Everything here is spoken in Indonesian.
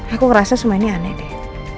aku ngerasa semua ini aneh deh